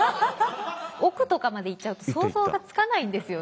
億とかまでいっちゃうと想像がつかないんですよね。